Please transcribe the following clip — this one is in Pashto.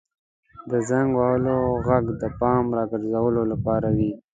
• د زنګ وهلو ږغ د پام راګرځولو لپاره وي.